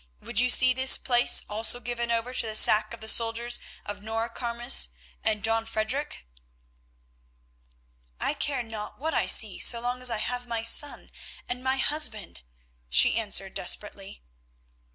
Would you see this place also given over to sack by the soldiers of Noircarmes and Don Frederic?" "I care not what I see so long as I save my son and my husband," she answered desperately.